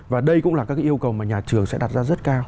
và đây cũng là các yêu cầu mà nhà trường sẽ đặt ra rất cao